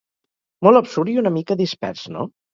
Molt absurd, i una mica dispers, no?